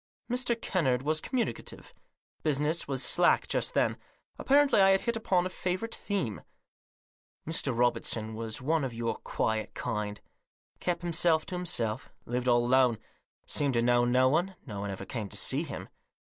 Mr. Kennard was communicative. Business was slack just then. Apparently I had hit upon a favourite theme. " Mr. Robertson was one of your quiet kind. Kept himself to himself ; lived all alone ; seemed to know no one ; no one ever came to see him.